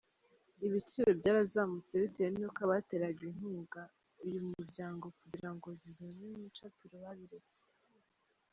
Ibiciro byarazamutse bitewe nuko abateraga inkunga uyu muryango kugirango zijyanwe mu icapiro babiretse.